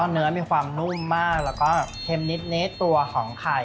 เนื้อมีความนุ่มมากแล้วก็เค็มนิดตัวของไข่